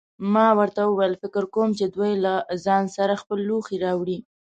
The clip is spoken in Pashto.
ما ورته وویل: فکر کوم چې دوی له ځان سره خپل لوښي راوړي.